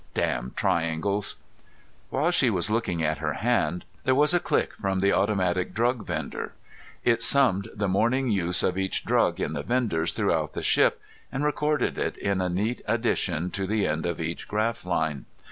Damn triangles! While she was looking at her hand there was a click from the automatic drug vendor. It summed the morning use of each drug in the vendors throughout the ship, and recorded it in a neat addition to the end of each graph line.